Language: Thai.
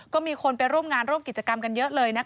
ก็มีคนไปร่วมงานร่วมกิจกรรมกันเยอะเลยนะคะ